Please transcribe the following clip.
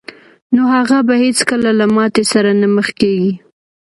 نو هغه به هېڅکله له ماتې سره نه مخ کېږي